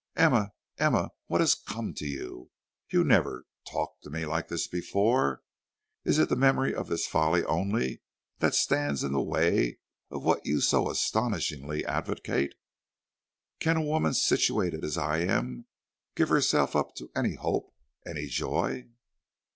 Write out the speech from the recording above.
"Emma! Emma, what has come to you? You never talked to me like this before. Is it the memory of this folly only that stands in the way of what you so astonishingly advocate? Can a woman situated as I am, give herself up to any hope, any joy?"